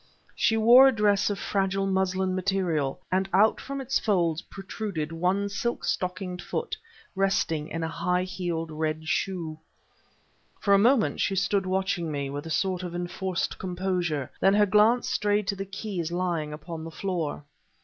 She wore a dress of fragile muslin material, and out from its folds protruded one silk stockinged foot, resting in a high heeled red shoe.... For a moment she stood watching me, with a sort of enforced composure; then her glance strayed to the keys lying upon the floor.